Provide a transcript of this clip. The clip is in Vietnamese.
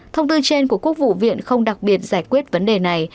thông tư trên của quốc vụ viện không đặc biệt giải quyết vấn đề này